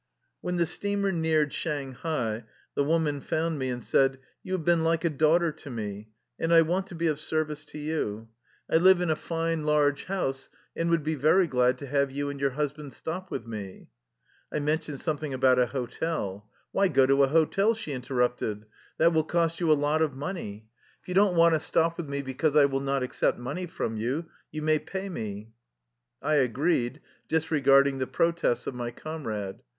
When the steamer neared Shanghai, the woman found me and said :" You have been like a daughter to me, and I want to be of service to you. I live in a fine, 242 THE LIFE STOKY OF A EUSSIAN EXILE large house, and would be very glad to have you and your husband stop with me.'' I mentioned something about a hotel. "Why go to a hotel?" she interrupted. "That will cost you a lot of money. If you don't want to stop with me because I will not accept money from you, you may pay me." I agreed, disregarding the protests of my com rade.